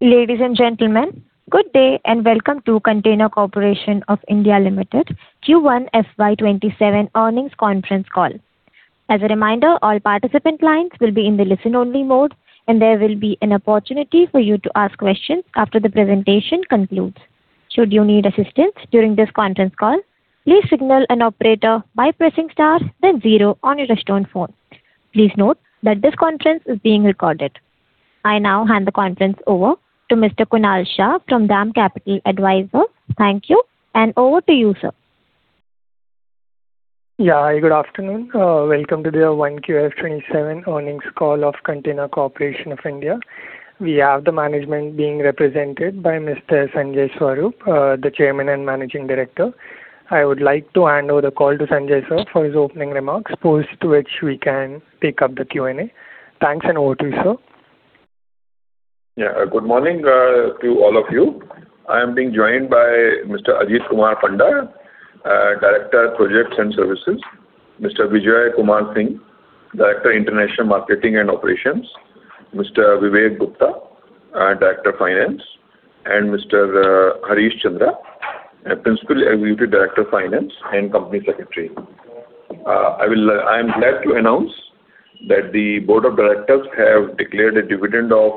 Ladies and gentlemen, good day and welcome to Container Corporation of India Limited Q1 FY 2027 earnings conference call. As a reminder, all participant lines will be in the listen only mode, and there will be an opportunity for you to ask questions after the presentation concludes. Should you need assistance during this conference call, please signal an operator by pressing star then zero on your touchtone phone. Please note that this conference is being recorded. I now hand the conference over to Mr. Kunal Shah from DAM Capital Advisors. Thank you, over to you, sir. Good afternoon. Welcome to the 1Q FY 2027 earnings call of Container Corporation of India. We have the management being represented by Mr. Sanjay Swarup, the Chairman and Managing Director. I would like to hand over the call to Sanjay, sir, for his opening remarks, post which we can take up the Q&A. Thanks, over to you, sir. Good morning to all of you. I am being joined by Mr. Ajit Kumar Panda, Director, Projects and Services, Mr. Vijoy Kumar Singh, Director, International Marketing and Operations, Mr. Vivek Gupta, Director, Finance, and Mr. Harish Chandra, Principal Executive Director, Finance and Company Secretary. I am glad to announce that the board of directors have declared a dividend of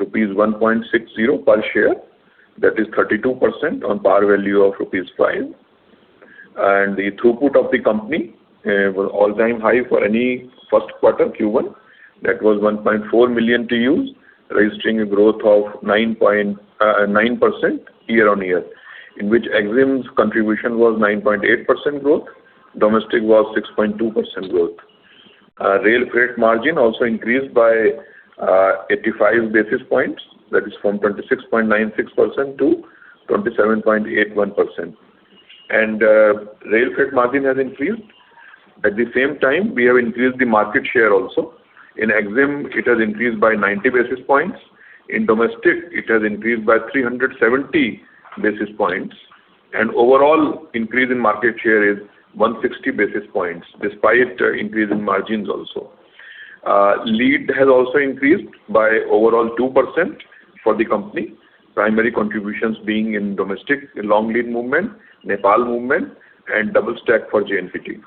rupees 1.60 per share. That is 32% on par value of rupees 5. The throughput of the company, all-time high for any first quarter, Q1, that was 1.4 million TEUs, registering a growth of 9% year-on-year, in which EXIM's contribution was 9.8% growth, domestic was 6.2% growth. Rail freight margin also increased by 85 basis points. That is from 26.96% to 27.81%. Rail freight margin has increased. At the same time, we have increased the market share also. In EXIM, it has increased by 90 basis points. In domestic, it has increased by 370 basis points. Overall increase in market share is 160 basis points, despite increase in margins also. Lead has also increased by overall 2% for the company, primary contributions being in domestic long lead movement, Nepal movement, and double-stack for JNPT.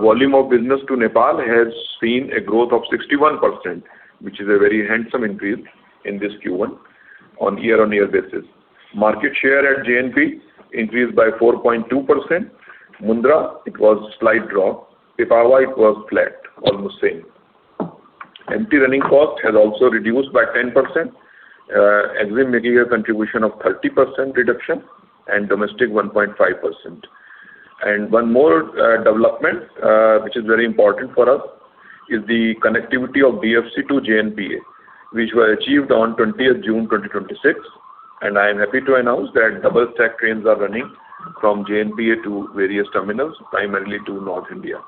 Volume of business to Nepal has seen a growth of 61%, which is a very handsome increase in this Q1 on year-on-year basis. Market share at JNPT increased by 4.2%. Mundra, it was slight drop. Pipavav, it was flat, almost same. Empty running cost has also reduced by 10%, EXIM making a contribution of 30% reduction and domestic 1.5%. One more development which is very important for us is the connectivity of DFC to JNPA, which were achieved on 20th June 2026. I am happy to announce that double-stack trains are running from JNPA to various terminals, primarily to North India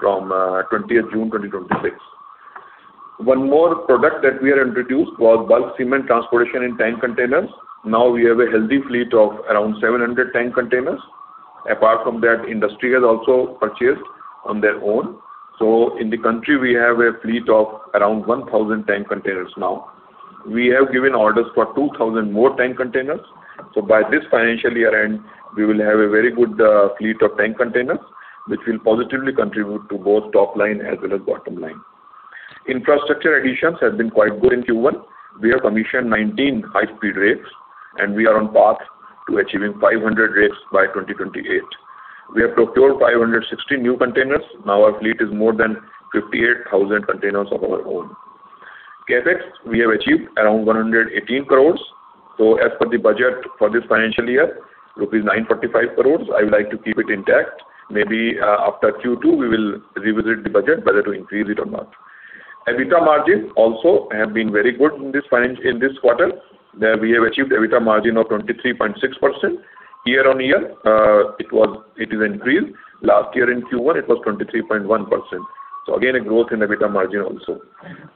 from 20th June 2026. One more product that we have introduced was bulk cement transportation in tank containers. Now we have a healthy fleet of around 700 tank containers. Apart from that, industry has also purchased on their own. So in the country, we have a fleet of around 1,000 tank containers now. We have given orders for 2,000 more tank containers. By this financial year end, we will have a very good fleet of tank containers, which will positively contribute to both top line as well as bottom line. Infrastructure additions have been quite good in Q1. We have commissioned 19 high-speed rakes, and we are on path to achieving 500 rakes by 2028. We have procured 560 new containers. Our fleet is more than 58,000 containers of our own. CapEx, we have achieved around 118 crores. As per the budget for this financial year, rupees 945 crores, I would like to keep it intact. Maybe after Q2, we will revisit the budget whether to increase it or not. EBITDA margin also have been very good in this quarter. We have achieved EBITDA margin of 23.6%. Year-on-year, it has increased. Last year in Q1, it was 23.1%. Again, a growth in EBITDA margin also.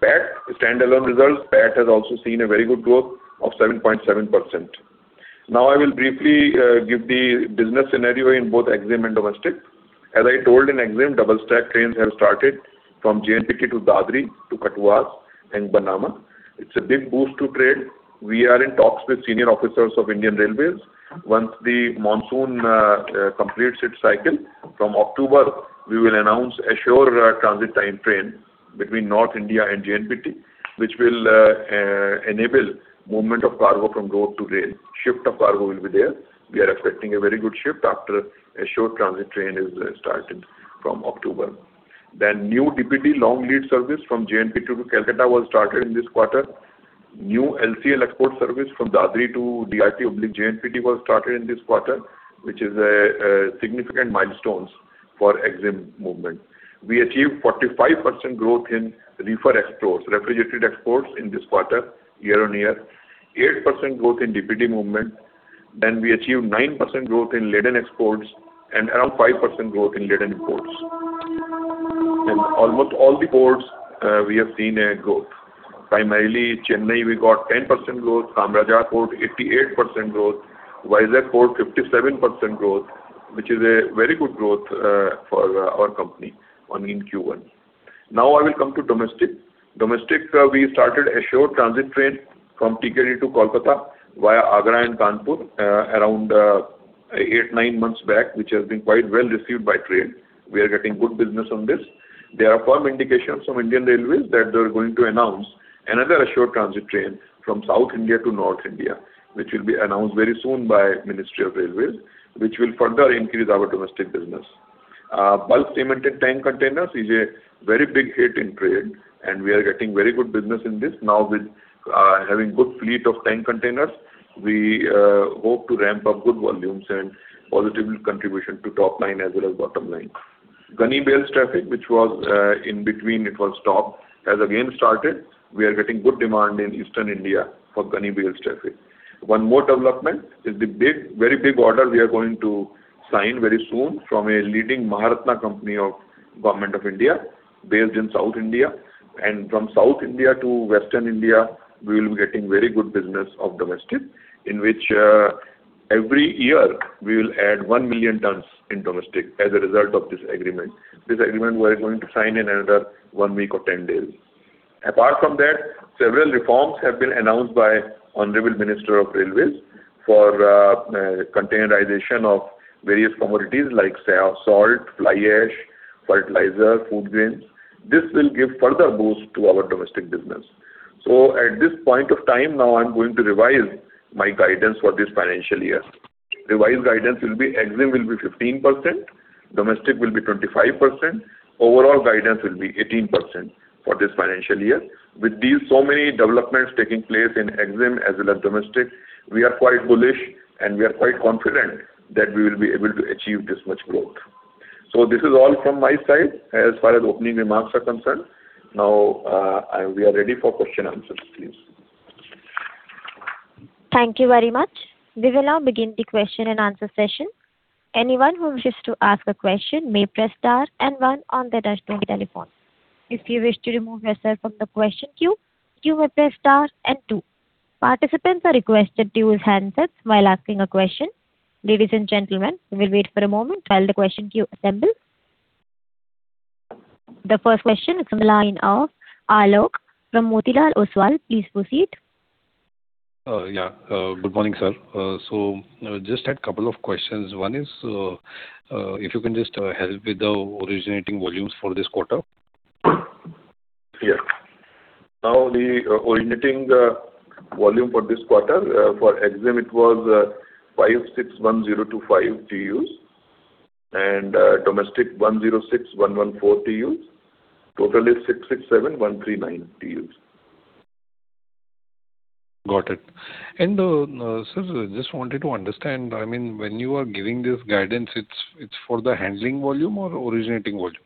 PAT, standalone results, PAT has also seen a very good growth of 7.7%. I will briefly give the business scenario in both EXIM and domestic. As I told in EXIM, double-stack trains have started from JNPT to Dadri to Kathuwas and Varnama. It's a big boost to trade. We are in talks with senior officers of Indian Railways. Once the monsoon completes its cycle, from October, we will announce a sure transit time train between North India and JNPT, which will enable movement of cargo from road to rail. Shift of cargo will be there. We are expecting a very good shift after a sure transit train is started from October. New DPD long lead service from JNPT to Kolkata was started in this quarter. New LCL export service from Dadri to DIP/JNPT was started in this quarter, which is a significant milestone for EXIM movement. We achieved 45% growth in reefer exports, refrigerated exports in this quarter year-on-year, 8% growth in DPD movement. We achieved 9% growth in laden exports and around 5% growth in laden imports. In almost all the ports, we have seen a growth. Primarily Chennai, we got 10% growth. Kamarajar Port, 88% growth. Vizag Port, 57% growth, which is a very good growth for our company in Q1. I will come to domestic. Domestic, we started assured transit train from TKD to Kolkata via Agra and Kanpur around eight, nine months back, which has been quite well received by trade. We are getting good business on this. There are firm indications from Indian Railways that they are going to announce another assured transit train from South India to North India, which will be announced very soon by Ministry of Railways, which will further increase our domestic business. Bulk cemented tank containers is a very big hit in trade, and we are getting very good business in this now with having good fleet of tank containers. We hope to ramp up good volumes and positive contribution to top line as well as bottom line. Gunny bales traffic, which in between it was stopped, has again started. We are getting good demand in Eastern India for gunny bales traffic. One more development is the very big order we are going to sign very soon from a leading Maharatna company of Government of India based in South India. From South India to Western India, we will be getting very good business of domestic, in which every year we will add 1 million tonnes in domestic as a result of this agreement. This agreement we are going to sign in another one week or 10 days. Apart from that, several reforms have been announced by Honorable Minister of Railways for containerization of various commodities like salt, fly ash, fertilizer, food grains. This will give further boost to our domestic business. At this point of time now, I'm going to revise my guidance for this financial year. Revised guidance will be EXIM will be 15%, domestic will be 25%, overall guidance will be 18% for this financial year. With these so many developments taking place in EXIM as well as domestic, we are quite bullish and we are quite confident that we will be able to achieve this much growth. This is all from my side as far as opening remarks are concerned. Now, we are ready for question answers, please. Thank you very much. We will now begin the question-and-answer session. Anyone who wishes to ask a question may press star and one on their touchtone telephone. If you wish to remove yourself from the question queue, you may press star and two. Participants are requested to use handsets while asking a question. Ladies and gentlemen, we will wait for a moment while the question queue assembles. The first question is from the line of Alok from Motilal Oswal. Please proceed. Yeah. Good morning, sir. Just had couple of questions. One is, if you can just help with the originating volumes for this quarter. Yeah. Now the originating volume for this quarter, for EXIM it was 561,025 TEUs, and domestic 106,114 TEUs. Total is 667,139 TEUs. Got it. Sir, just wanted to understand, when you are giving this guidance, it is for the handling volume or originating volume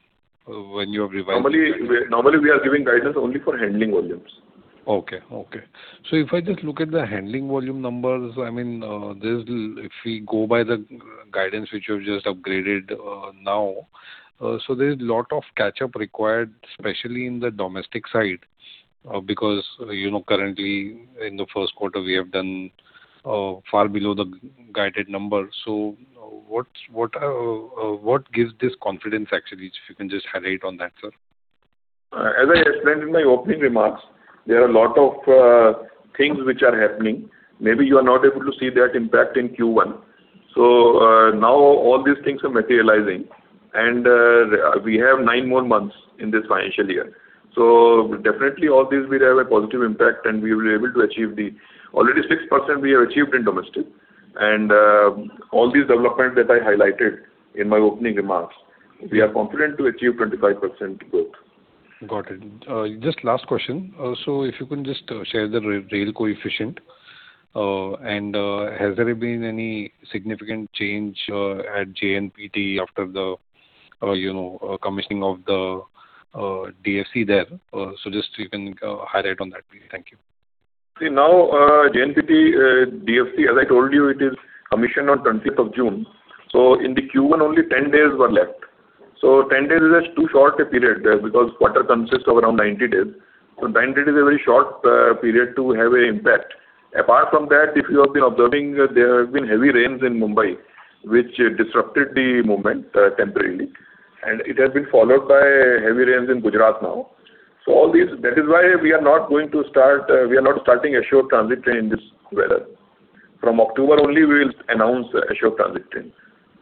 when you have revised. Normally, we are giving guidance only for handling volumes. Okay. If I just look at the handling volume numbers, if we go by the guidance which you have just upgraded now, there is lot of catch-up required, especially in the domestic side. Currently in the first quarter, we have done far below the guided number. What gives this confidence actually? If you can just highlight on that, sir. As I explained in my opening remarks, there are lot of things which are happening. Maybe you are not able to see that impact in Q1. Now all these things are materializing, and we have nine more months in this financial year. Definitely all these will have a positive impact, and we will be able to achieve the already 6% we have achieved in domestic. All these developments that I highlighted in my opening remarks, we are confident to achieve 25% growth. Got it. Just last question. If you can just share the rail coefficient. Has there been any significant change at JNPT after the commissioning of the DFC there? Just you can highlight on that please. Thank you. Now JNPT DFC, as I told you, it is commissioned on the 25th of June. In the Q1, only 10 days were left. 10 days is too short a period there because quarter consists of around 90 days. 90 days is a very short period to have an impact. Apart from that, if you have been observing, there have been heavy rains in Mumbai, which disrupted the movement temporarily. It has been followed by heavy rains in Gujarat now. That is why we are not starting assured transit train in this weather. From October only we will announce assured transit train.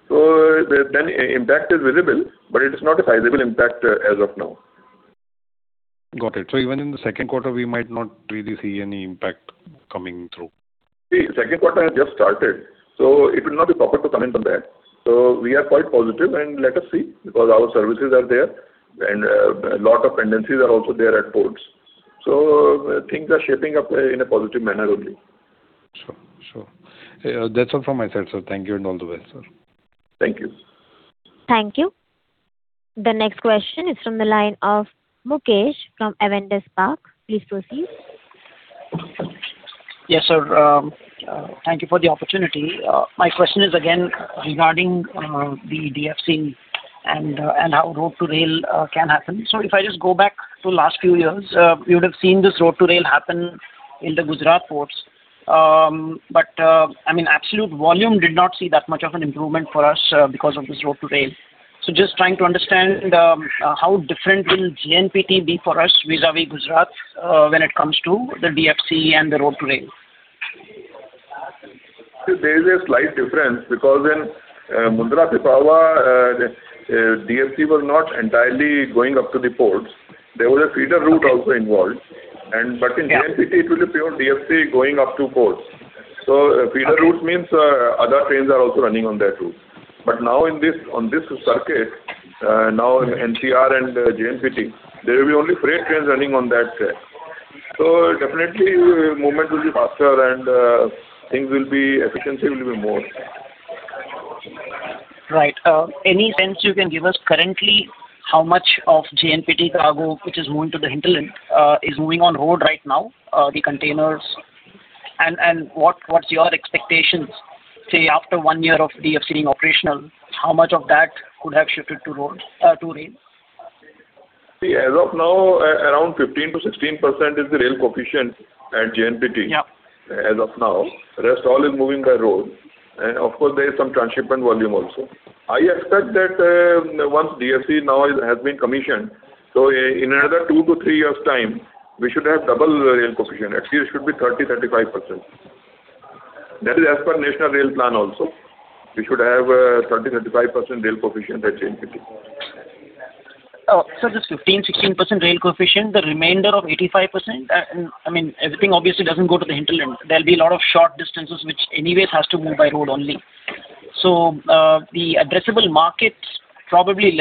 The impact is visible, but it is not a sizable impact as of now. Got it. Even in the second quarter, we might not really see any impact coming through. Second quarter has just started, it will not be proper to comment on that. We are quite positive and let us see, because our services are there and lot of tendencies are also there at ports. Things are shaping up in a positive manner only. Sure. That's all from my side, sir. Thank you and all the best, sir. Thank you. Thank you. The next question is from the line of Mukesh from Avendus Spark. Please proceed. Yes, sir. Thank you for the opportunity. My question is again regarding the DFC and how road to rail can happen. If I just go back to last few years, we would have seen this road to rail happen in the Gujarat ports. Absolute volume did not see that much of an improvement for us because of this road to rail. Just trying to understand how different will JNPT be for us vis-a-vis Gujarat when it comes to the DFC and the road to rail. There is a slight difference because in Mundra Pipavav, DFC was not entirely going up to the ports. There was a feeder route also involved. In JNPT it will be pure DFC going up to ports. Feeder route means other trains are also running on that route. Now on this circuit, now NCR and JNPT, there will be only freight trains running on that track. Definitely movement will be faster and efficiency will be more. Right. Any sense you can give us currently how much of JNPT cargo which is moving to the hinterland is moving on road right now, the containers. What's your expectations, say, after one year of DFC being operational, how much of that could have shifted to rail? See, as of now, around 15%-16% is the rail coefficient at JNPT. Yeah. As of now. Rest all is moving by road. Of course, there is some transshipment volume also. I expect that once DFC now has been commissioned, in another two to three years' time, we should have double rail coefficient. Actually, it should be 30%-35%. That is as per National Rail Plan also. We should have 30%-35% rail coefficient at JNPT. Sir, this 15%-16% rail coefficient, the remainder of 85%, everything obviously doesn't go to the hinterland. There'll be a lot of short distances which anyways has to move by road only. The addressable market probably is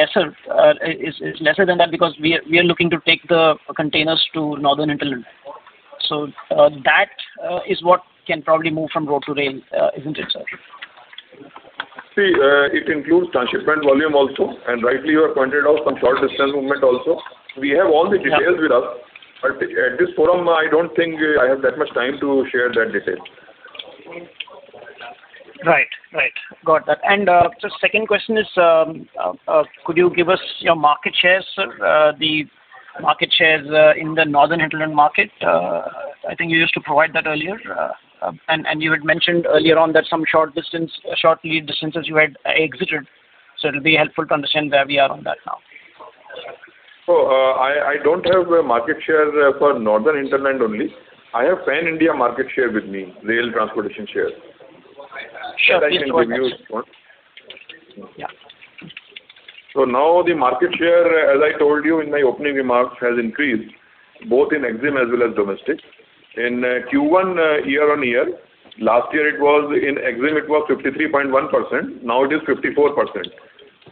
lesser than that because we are looking to take the containers to northern hinterland. That is what can probably move from road to rail, isn't it, sir? See, it includes transshipment volume also, and rightly you have pointed out some short distance movement also. We have all the details with us. At this forum, I don't think I have that much time to share that detail. Right. Got that. Sir, second question is could you give us your market shares, sir? The market shares in the northern hinterland market. I think you used to provide that earlier. You had mentioned earlier on that some short lead distances you had exited. It'll be helpful to understand where we are on that now. I don't have a market share for northern hinterland only. I have pan-India market share with me, rail transportation share. Sure, please provide that, sir. Which I can give you. Yeah. Now the market share, as I told you in my opening remarks, has increased both in EXIM as well as domestic. In Q1 year-on-year, last year in EXIM it was 53.1%, now it is 54%.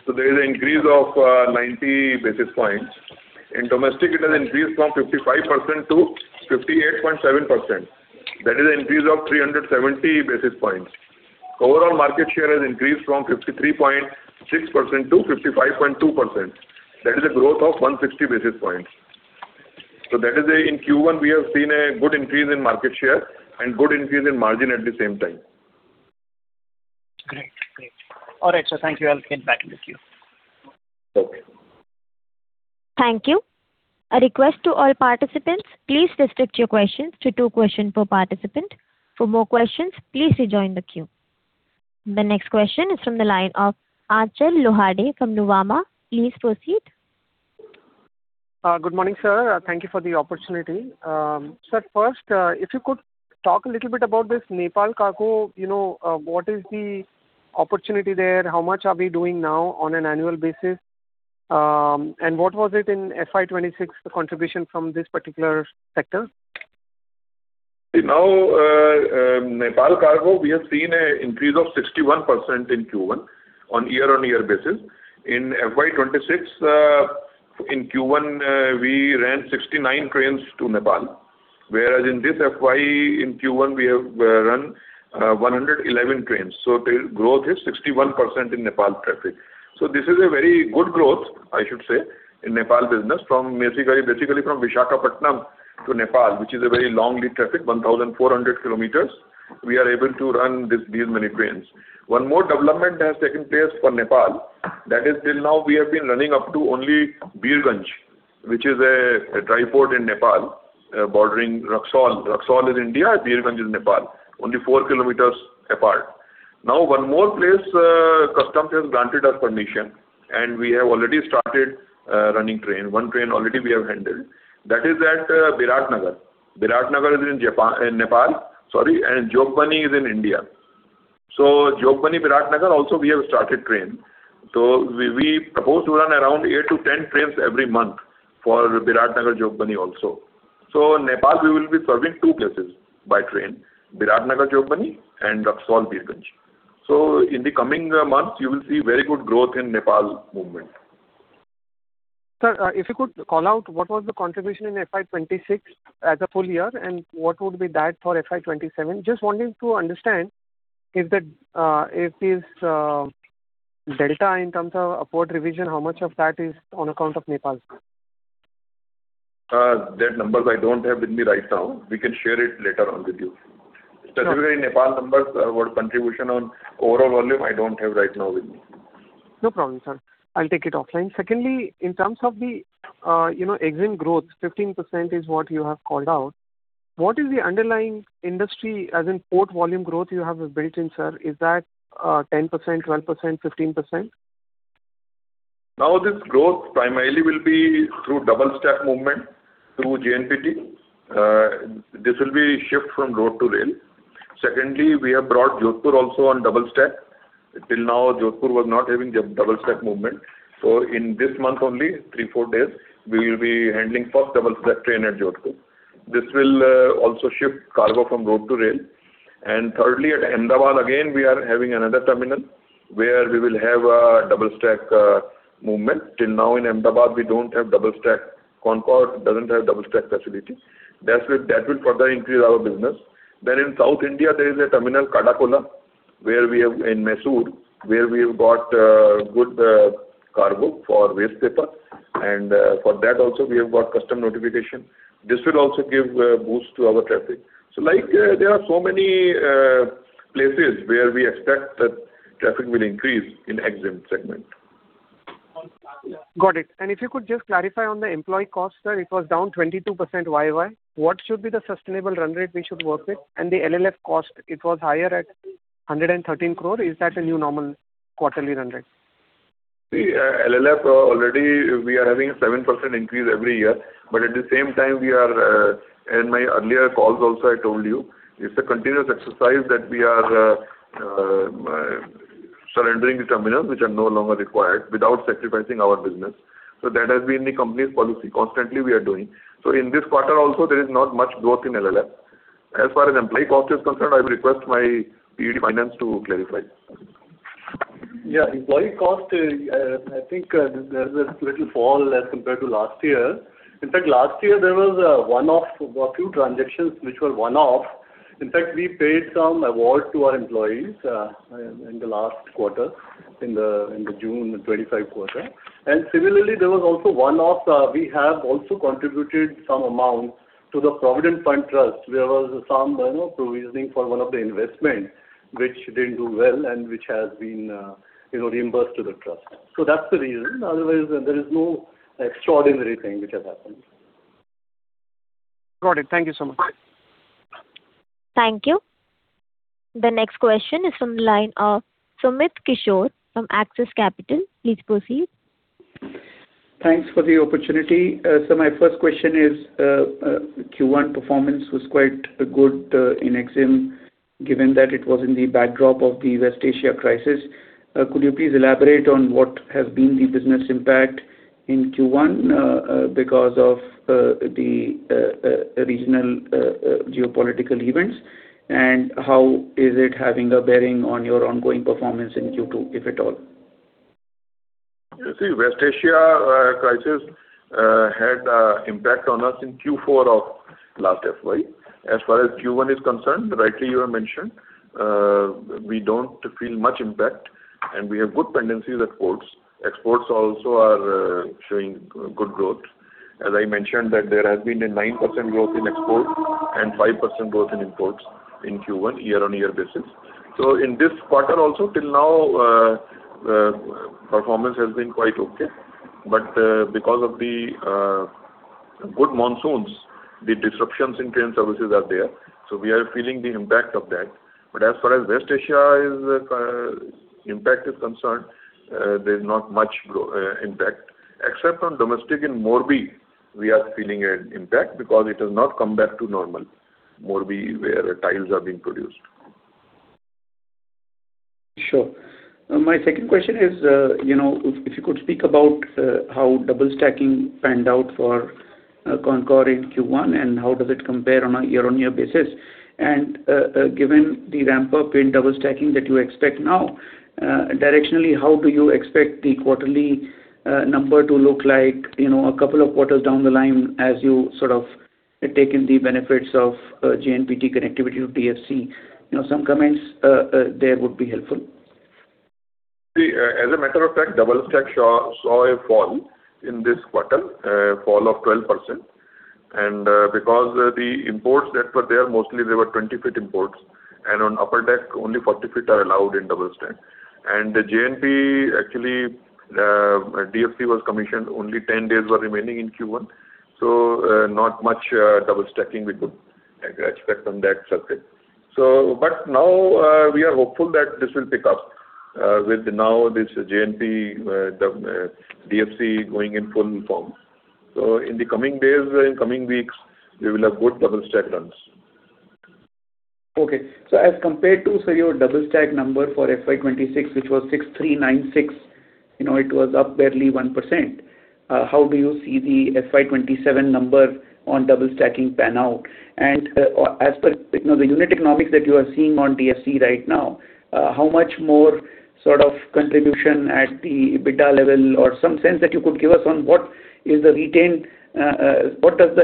There is an increase of 90 basis points. In domestic, it has increased from 55% to 58.7%. That is an increase of 370 basis points. Overall market share has increased from 53.6% to 55.2%. That is a growth of 160 basis points. That is in Q1 we have seen a good increase in market share and good increase in margin at the same time. Great. All right, sir. Thank you. I'll get back in the queue. Okay. Thank you. A request to all participants. Please restrict your questions to two questions per participant. For more questions, please rejoin the queue. The next question is from the line of Achal Lohade from Nuvama. Please proceed. Good morning, sir. Thank you for the opportunity. Sir, first, if you could talk a little bit about this Nepal cargo. What is the opportunity there? How much are we doing now on an annual basis? What was it in FY 2026, the contribution from this particular sector? Nepal cargo, we have seen an increase of 61% in Q1 on a year-on-year basis. In FY 2026, in Q1 we ran 69 trains to Nepal, whereas in this FY, in Q1 we have run 111 trains. The growth is 61% in Nepal traffic. This is a very good growth, I should say, in Nepal business. Basically from Visakhapatnam to Nepal, which is a very long lead traffic, 1,400 km, we are able to run these many trains. One more development has taken place for Nepal. That is till now we have been running up to only Birgunj, which is a dry port in Nepal bordering Raxaul. Raxaul is India, Birgunj is Nepal. Only 4 km apart. One more place customs has granted us permission, and we have already started running train. One train already we have handled. That is at Biratnagar. Biratnagar is in Nepal, and Jogbani is in India. Jogbani, Biratnagar, also we have started train. We propose to run around 8-10 trains every month for Biratnagar, Jogbani also. Nepal, we will be serving two places by train. Biratnagar, Jogbani, and Raxaul, Birgunj. In the coming months, you will see very good growth in Nepal movement. Sir, if you could call out what was the contribution in FY 2026 as a full year, and what would be that for FY 2027? Just wanting to understand if this delta in terms of port revision, how much of that is on account of Nepal? That numbers I don't have with me right now. We can share it later on with you. Specifically Nepal numbers or contribution on overall volume, I don't have right now with me. No problem, sir. I'll take it offline. Secondly, in terms of the EXIM growth, 15% is what you have called out. What is the underlying industry, as in port volume growth you have built in, sir? Is that 10%, 12%, 15%? This growth primarily will be through double-stack movement through JNPT. This will be shift from road to rail. Secondly, we have brought Jodhpur also on double-stack. Till now, Jodhpur was not having double-stack movement. In this month only, three, four days, we will be handling first double-stack train at Jodhpur. This will also shift cargo from road to rail. Thirdly, at Ahmedabad, again, we are having another terminal where we will have a double-stack movement. Till now in Ahmedabad, we do not have double-stack. CONCOR does not have double-stack facility. That will further increase our business. In South India, there is a terminal, Kadakola, in Mysuru, where we have got good cargo for waste paper, and for that also, we have got custom notification. This will also give a boost to our traffic. There are so many places where we expect that traffic will increase in EXIM segment. Got it. If you could just clarify on the employee cost, sir, it was down 22%. Why? What should be the sustainable run rate we should work with? The LLF cost, it was higher at 113 crore. Is that a new normal quarterly run rate? LLF already we are having a 7% increase every year, at the same time, in my earlier calls also I told you, it is a continuous exercise that we are surrendering the terminals which are no longer required without sacrificing our business. That has been the company's policy. Constantly we are doing. In this quarter also, there is not much growth in LLF. As far as employee cost is concerned, I request my PD Finance to clarify. Employee cost, I think there's a little fall as compared to last year. In fact, last year there were a few transactions which were one-off. In fact, we paid some award to our employees in the last quarter, in the June 2025 quarter. Similarly, there was also one-off, we have also contributed some amount to the Provident Fund Trust, where there was some provisioning for one of the investment, which didn't do well and which has been reimbursed to the trust. That's the reason. Otherwise, there is no extraordinary thing which has happened. Got it. Thank you so much. Thank you. The next question is from the line of Sumit Kishore from Axis Capital. Please proceed. Thanks for the opportunity. My first question is, Q1 performance was quite good in EXIM, given that it was in the backdrop of the West Asia crisis. Could you please elaborate on what has been the business impact in Q1 because of the regional geopolitical events, and how is it having a bearing on your ongoing performance in Q2, if at all? West Asia crisis had impact on us in Q4 of last FY. As far as Q1 is concerned rightly you have mentioned, we don't feel much impact, and we have good pendencies at ports. Exports also are showing good growth. As I mentioned that there has been a 9% growth in exports and 5% growth in imports in Q1 year-on-year basis. In this quarter also till now, performance has been quite okay. Because of the good monsoons, the disruptions in train services are there, so we are feeling the impact of that. As far as West Asia impact is concerned, there's not much impact. Except on domestic in Morbi, we are feeling an impact because it has not come back to normal. Morbi, where tiles are being produced. Sure. My second question is, if you could speak about how double-stacking panned out for CONCOR in Q1, and how does it compare on a year-on-year basis. Given the ramp-up in double-stacking that you expect now, directionally, how do you expect the quarterly number to look like a couple of quarters down the line as you take in the benefits of JNPT connectivity to DFC? Some comments there would be helpful. As a matter of fact, double-stack saw a fall in this quarter, a fall of 12%. Because the imports that were there, mostly they were 20 ft imports, and on upper deck, only 40 ft are allowed in double-stack. The JNPT, actually, DFC was commissioned, only 10 days were remaining in Q1, so not much double-stacking we could expect on that circuit. Now we are hopeful that this will pick up with now this JNPT DFC going in full form. In the coming days or in coming weeks, we will have good double-stack runs. As compared to your double-stack number for FY 2026, which was 6,396, it was up barely 1%. How do you see the FY 2027 number on double-stacking pan out? As per the unit economics that you are seeing on DFC right now, how much more contribution at the EBITDA level or some sense that you could give us on what does the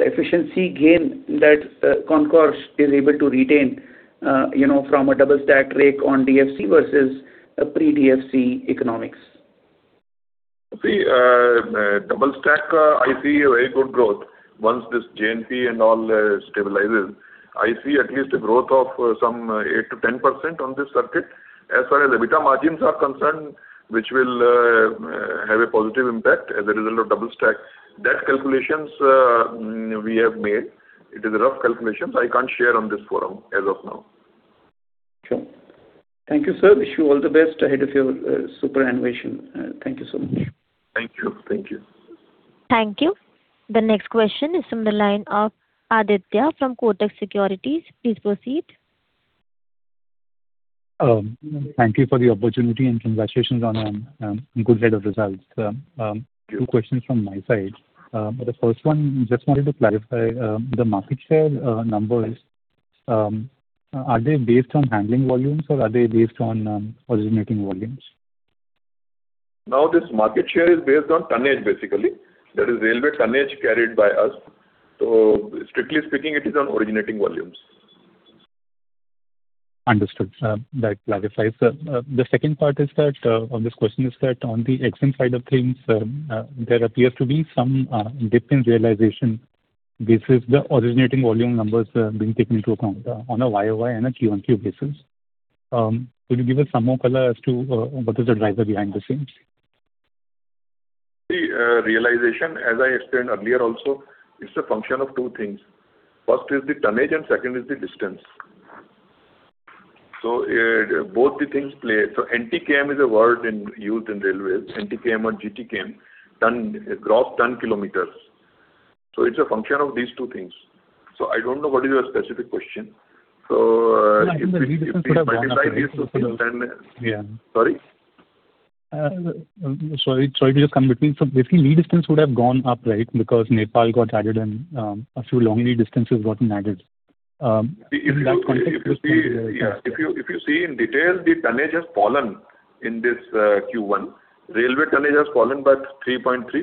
efficiency gain that CONCOR is able to retain from a double-stack rake on DFC versus a pre-DFC economics? See, double stack, I see a very good growth once this JNPT and all stabilizes. I see at least a growth of some 8%-10% on this circuit. As far as EBITDA margins are concerned, which will have a positive impact as a result of double-stack. Those calculations we have made. It is a rough calculation, so I can't share on this forum as of now. Sure. Thank you, sir. Wish you all the best ahead of your superannuation. Thank you so much. Thank you. Thank you. The next question is from the line of Aditya from Kotak Securities. Please proceed. Thank you for the opportunity. Congratulations on good set of results. Thank you. Two questions from my side. The first one, just wanted to clarify, the market share numbers, are they based on handling volumes or are they based on originating volumes? This market share is based on tonnage, basically. That is railway tonnage carried by us. Strictly speaking, it is on originating volumes. Understood. That clarifies. The second part on this question is that on the EXIM side of things, there appears to be some dip in realization basis, the originating volume numbers being taken into account on a YOY and a QOQ basis. Could you give us some more color as to what is the driver behind the scenes? The realization, as I explained earlier also, it's a function of two things. First is the tonnage and second is the distance. Both the things play. NTKM is a word used in railways, NTKM or GTKM, gross ton kilometers. It's a function of these two things. I don't know what is your specific question. No, I think the lead distance would have gone up, right? Sorry? Sorry to just come between. Basically, lead distance would have gone up, right? Because Nepal got added and a few long lead distances gotten added. If you see in detail, the tonnage has fallen in this Q1. Railway tonnage has fallen by 3.3%.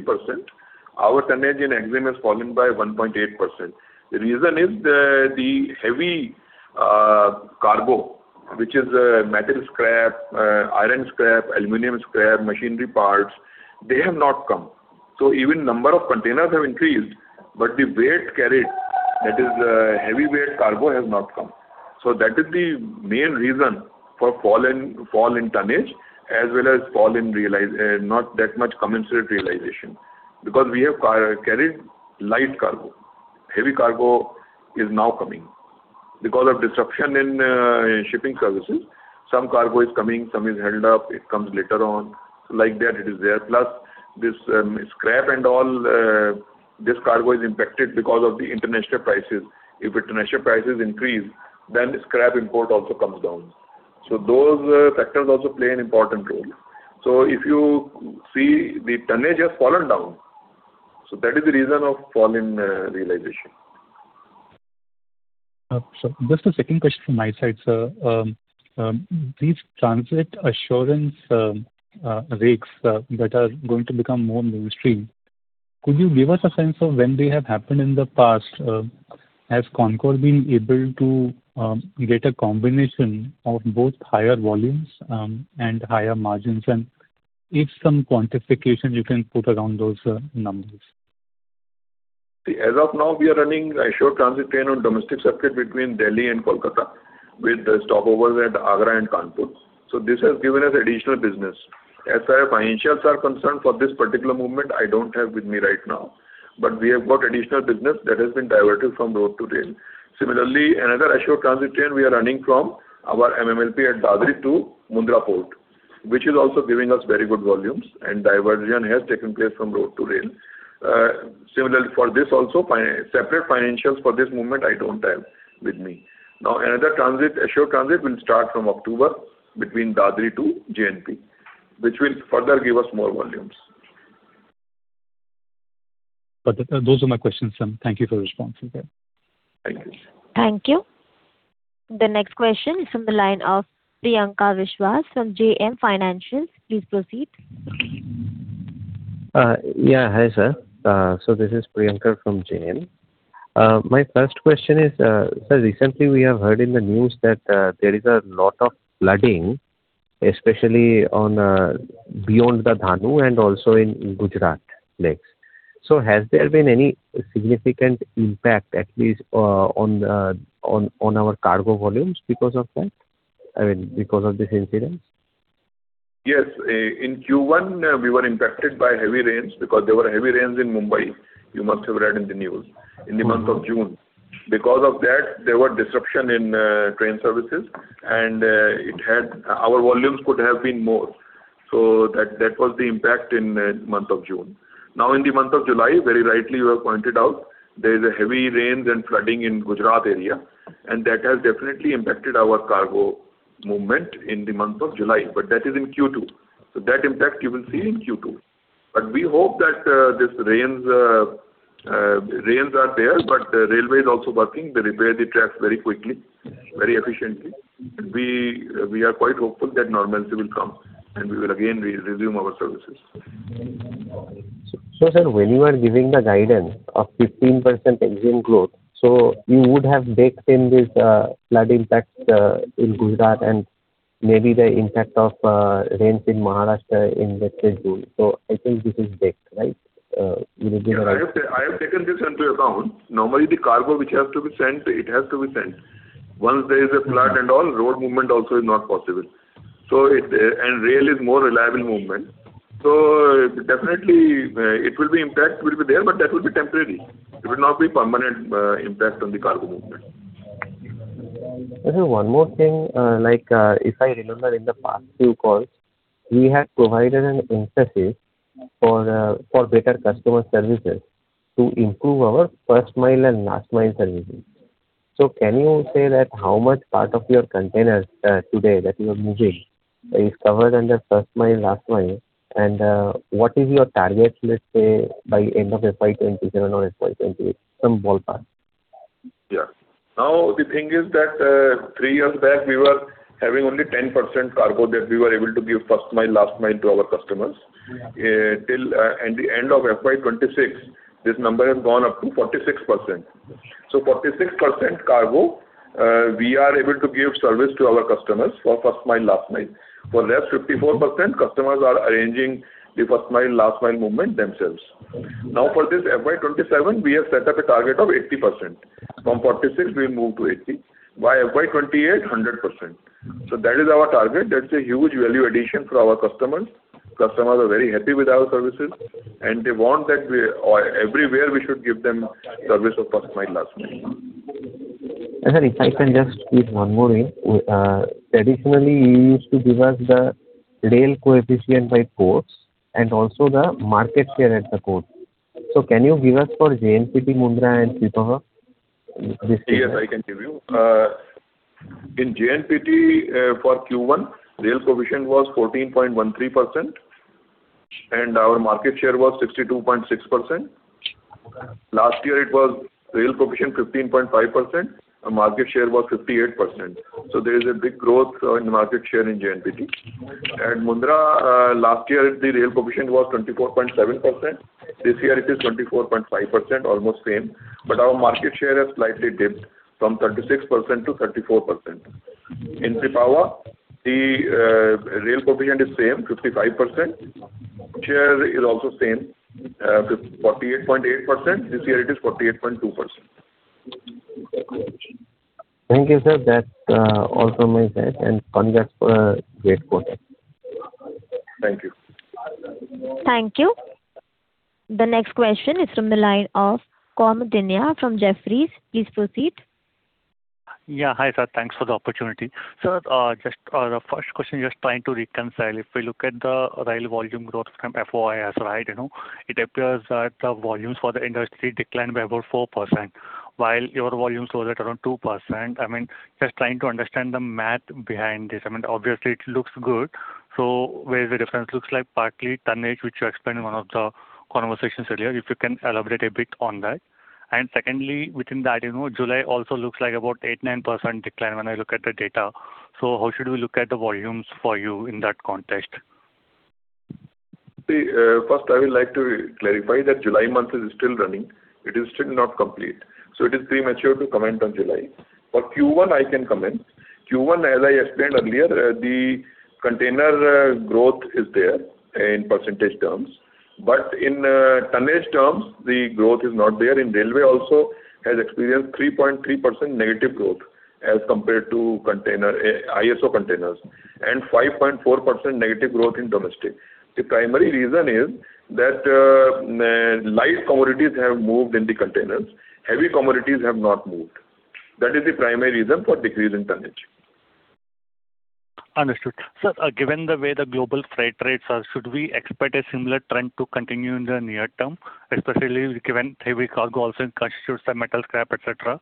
Our tonnage in EXIM has fallen by 1.8%. The reason is the heavy cargo, which is metal scrap, iron scrap, aluminum scrap, machinery parts, they have not come. Even number of containers have increased, but the weight carried, that is heavy weight cargo, has not come. That is the main reason for fall in tonnage as well as not that much commensurate realization, because we have carried light cargo. Heavy cargo is now coming. Because of disruption in shipping services, some cargo is coming, some is held up, it comes later on. Like that it is there. Plus, this scrap and all this cargo is impacted because of the international prices. If international prices increase, then scrap import also comes down. Those factors also play an important role. If you see, the tonnage has fallen down. That is the reason of fall in realization. Just a second question from my side, sir. These transit assurance rakes that are going to become more mainstream, could you give us a sense of when they have happened in the past? Has CONCOR been able to get a combination of both higher volumes and higher margins? If some quantification you can put around those numbers. As of now, we are running assured transit train on domestic circuit between Delhi and Kolkata with stopovers at Agra and Kanpur. This has given us additional business. As far as financials are concerned for this particular movement, I don't have with me right now, but we have got additional business that has been diverted from road to rail. Similarly, another assured transit train we are running from our MMLP at Dadri to Mundra Port, which is also giving us very good volumes and diversion has taken place from road to rail. Similarly, for this also, separate financials for this movement, I don't have with me. Another assured transit will start from October between Dadri to JNPT, which will further give us more volumes. Those are my questions. Thank you for the responses. Thank you. Thank you. The next question is from the line of Priyankar Biswas from JM Financial. Please proceed. Yeah. Hi, sir. This is Priyankar from JM. My first question is, sir, recently we have heard in the news that there is a lot of flooding, especially beyond the Dahanu and also in Gujarat lakes. Has there been any significant impact at least on our cargo volumes because of that? I mean, because of this incident? In Q1, we were impacted by heavy rains because there were heavy rains in Mumbai. You must have read in the news. In the month of June. There was disruption in train services, and our volumes could have been more. That was the impact in the month of June. In the month of July, very rightly you have pointed out, there is heavy rains and flooding in Gujarat area, and that has definitely impacted our cargo movement in the month of July. That is in Q2. That impact you will see in Q2. We hope that these rains are there, but railway is also working. They repair the tracks very quickly, very efficiently. We are quite hopeful that normalcy will come and we will again resume our services. Sir, when you are giving the guidance of 15% volume growth, you would have baked in this flood impact in Gujarat and maybe the impact of rains in Maharashtra in late June. I think this is baked, right? Yeah. I have taken this into account. Normally, the cargo which has to be sent, it has to be sent. Once there is a flood and all, road movement also is not possible. Rail is more reliable movement. Definitely, impact will be there, but that will be temporary. It will not be permanent impact on the cargo movement. One more thing. If I remember in the past few calls, we had provided an incentive for better customer services to improve our first-mile and last-mile services. Can you say that how much part of your containers today that you are moving is covered under first-mile, last-mile? What is your target, let's say, by end of FY 2027 or FY 2028? Some ballpark. Now the thing is that three years back we were having only 10% cargo that we were able to give first-mile, last-mile to our customers. Yeah. At the end of FY 2026, this number has gone up to 46%. 46% cargo, we are able to give service to our customers for first-mile, last-mile. For the rest 54%, customers are arranging the first-mile, last-mile movement themselves. For this FY 2027, we have set up a target of 80%. From 46 we will move to 80. By FY 2028, 100%. That is our target. That's a huge value addition for our customers. Customers are very happy with our services, they want that everywhere we should give them service of first-mile, last-mile. If I can just squeeze one more in. Traditionally, you used to give us the rail coefficient by ports and also the market share at the port. Can you give us for JNPT, Mundra and Pipavav? Yes, I can give you. In JNPT for Q1, rail coefficient was 14.13%, our market share was 62.6%. Last year, it was rail coefficient 15.5%, market share was 58%. There is a big growth in market share in JNPT. At Mundra, last year, the rail coefficient was 24.7%. This year it is 24.5%, almost same, our market share has slightly dipped from 36% to 34%. In Pipavav, the rail coefficient is same, 55%. Share is also same, 48.8%. This year it is 48.2%. Thank you, sir. That's all from my side. Congrats for a great quarter. Thank you. Thank you. The next question is from the line of Koundinya from Jefferies. Please proceed. Yeah. Hi, sir. Thanks for the opportunity. Sir, the first question, just trying to reconcile. If we look at the rail volume growth from FOIS, it appears that the volumes for the industry declined by about 4%, while your volumes were at around 2%. Just trying to understand the math behind this. Obviously, it looks good. Where is the difference? Looks like partly tonnage, which you explained in one of the conversations earlier, if you can elaborate a bit on that. Secondly, within that, July also looks like about 8%, 9% decline when I look at the data. How should we look at the volumes for you in that context? First I would like to clarify that July month is still running. It is still not complete. It is premature to comment on July. For Q1, I can comment. Q1, as I explained earlier, the container growth is there in percentage terms, but in tonnage terms, the growth is not there. Indian Railways also has experienced 3.3%- growth as compared to ISO containers, and 5.4%- growth in domestic. The primary reason is that light commodities have moved in the containers, heavy commodities have not moved. That is the primary reason for decrease in tonnage. Understood. Sir, given the way the global freight rates are, should we expect a similar trend to continue in the near term, especially given heavy cargo also constitutes the metal scrap, et cetera?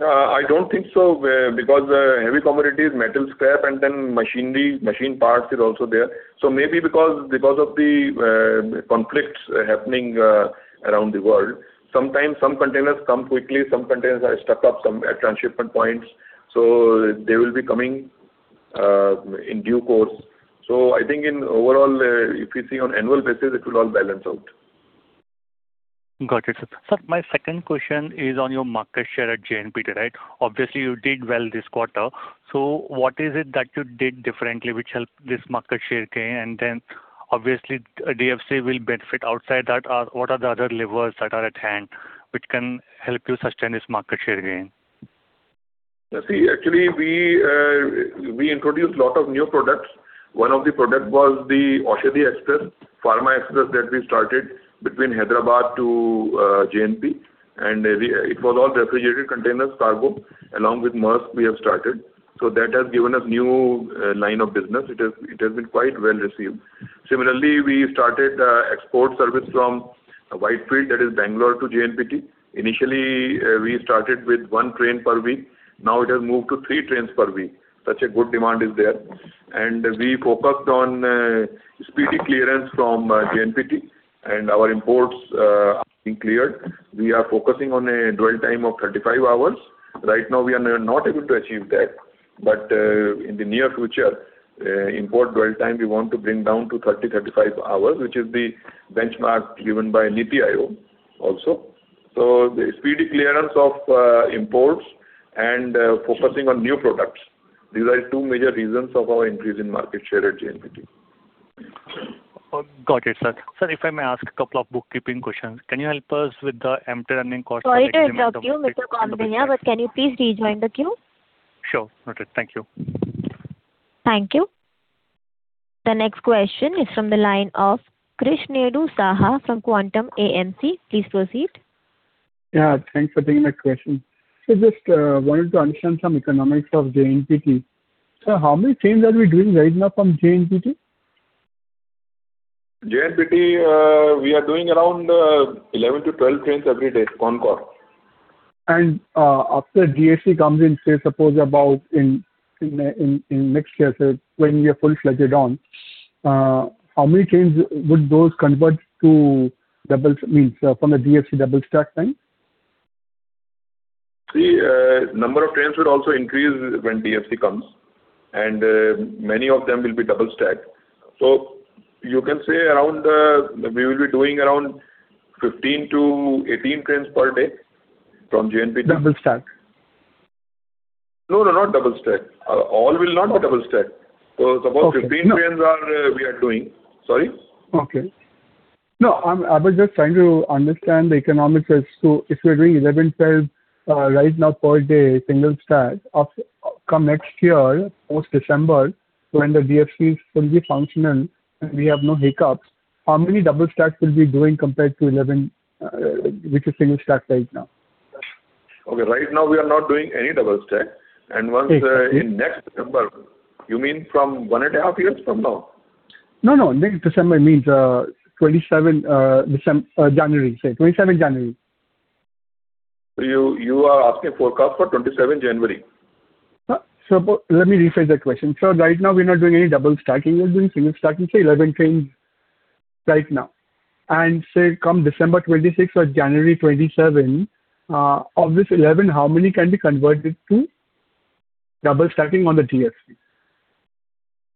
I don't think so because heavy commodities, metal scrap, and then machinery, machine parts is also there. Maybe because of the conflicts happening around the world, sometimes some containers come quickly, some containers are stuck up at transshipment points. They will be coming in due course. I think in overall, if you see on annual basis, it will all balance out. Got it, sir. Sir, my second question is on your market share at JNPT. Obviously, you did well this quarter. What is it that you did differently which helped this market share gain? Obviously DFC will benefit outside that. What are the other levers that are at hand which can help you sustain this market share gain? Actually we introduced lot of new products. One of the product was the Aushadhi Express, Pharma Express that we started between Hyderabad to JNPT, and it was all refrigerated container cargo along with Maersk we have started. That has given us new line of business. It has been quite well received. Similarly, we started export service from Whitefield, that is Bangalore to JNPT. Initially, we started with one train per week. Now it has moved to three trains per week. Such a good demand is there. We focused on speedy clearance from JNPT, and our imports are being cleared. We are focusing on a dwell time of 35 hours. Right now we are not able to achieve that in the near future, import dwell time, we want to bring down to 30, 35 hours, which is the benchmark given by NITI Aayog also. The speedy clearance of imports and focusing on new products. These are two major reasons of our increase in market share at JNPT. Got it, sir. Sir, if I may ask a couple of bookkeeping questions. Can you help us with the empty running cost? Sorry to interrupt you, can you please rejoin the queue? Sure. Noted. Thank you. Thank you. The next question is from the line of Krishnendu Saha from Quantum AMC. Please proceed. Yeah, thanks for taking my question. Sir, just wanted to understand some economics of JNPT. Sir, how many trains are we doing right now from JNPT? JNPT, we are doing around 11-12 trains every day, CONCOR. After DFC comes in, say suppose about in next year, sir, when we are full-fledged on, how many trains would those convert to double, means from the DFC double-stack train? Number of trains would also increase when DFC comes, and many of them will be double-stack. You can say we will be doing around 15-18 trains per day from JNPT. Double-stack? No, not double-stack. All will not be double-stack. Suppose 15 trains we are doing. Sorry? Okay. No, I was just trying to understand the economics as to if you're doing 11, 12 right now per day, single stack, come next year, post-December, when the DFC is fully functional and we have no hiccups, how many double stacks will be doing compared to 11, which is single stack right now? Okay, right now we are not doing any double stack. Once in next December, you mean from one and a half years from now? No, next December means 27th January. You are asking forecast for 27 January? Sir, let me rephrase that question. Sir, right now, we're not doing any double stacking. We're doing single stacking, say 11 trains right now. Say, come December 2026 or January 2027, of this 11, how many can be converted to double stacking on the DFC?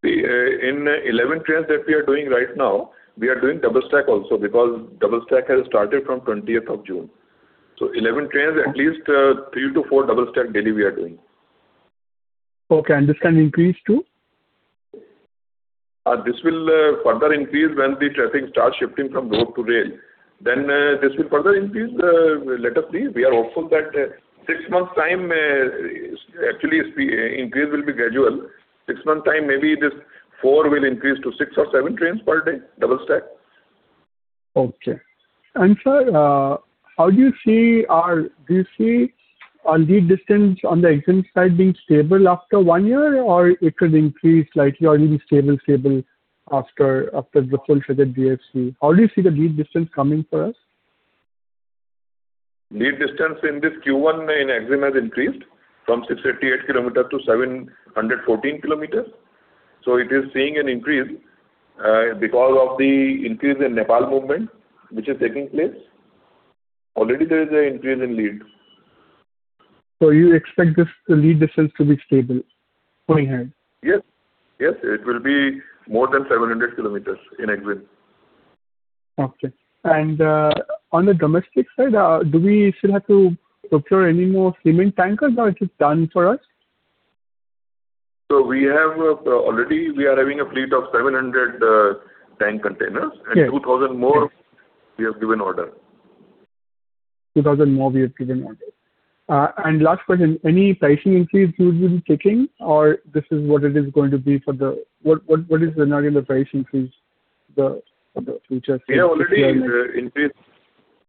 In 11 trains that we are doing right now, we are doing double stack also because double stack has started from 20th of June. 11 trains, at least three to four double stack daily we are doing. Okay, this can increase to? This will further increase when the traffic starts shifting from road to rail. This will further increase. Let us see. We are hopeful that six months time. Actually, increase will be gradual. Six months time, maybe this four will increase to six or seven trains per day, double stack. Okay. Sir, do you see our lead distance on the EXIM side being stable after one year or it could increase slightly or it will be stable after the full-fledged DFC? How do you see the lead distance coming for us? Lead distance in this Q1 in EXIM has increased from 658 km to 714 km. It is seeing an increase because of the increase in Nepal movement which is taking place. Already there is an increase in lead. You expect this lead distance to be stable going ahead? Yes. It will be more than 700 km in EXIM. Okay. On the domestic side, do we still have to procure any more cement tankers or is it done for us? We have already a fleet of 700 tank containers. Yes. 2,000 more, we have given order. 2,000 more we have given order. Last question, any pricing increase you will be taking or this is what it is going to be for the What is the scenario of the price increase for the future?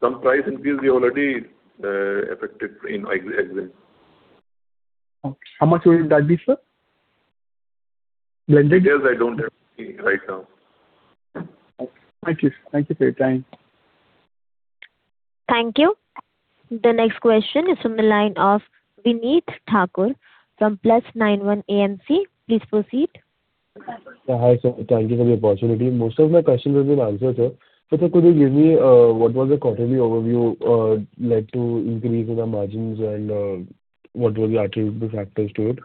Some price increase we already effected in EXIM. How much would that be, sir? Blended. Details I don't have with me right now. Okay. Thank you. Thank you for your time. Thank you. The next question is from the line of Vinit Thakur from Plus91 AMC. Please proceed. Hi, sir. Thank you for the opportunity. Most of my questions have been answered, sir. Sir, could you give me what was the quarterly overview led to increase in the margins and what were the attribute factors to it?